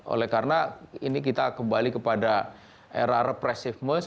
oleh karena ini kita kembali kepada era represifmus